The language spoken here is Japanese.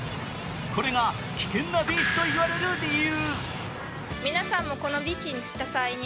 これが危険なビーチと言われる理由。